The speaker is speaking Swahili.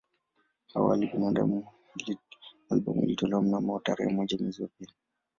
Awali albamu ilitolewa mnamo tarehe moja mwezi wa pili